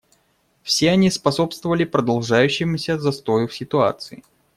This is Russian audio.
Все они способствовали продолжающемуся застою в ситуации.